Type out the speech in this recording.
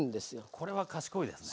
これは賢いですね